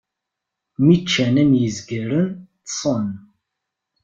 Mi ččan am yizgaren, ṭṭsen.